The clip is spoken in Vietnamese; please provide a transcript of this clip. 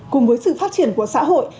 cùng với sự phát triển của xã hội